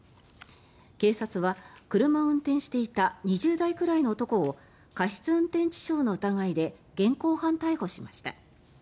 警察は、車を運転していた２０代くらいの男を過失運転致傷の疑いで現行犯逮捕しました。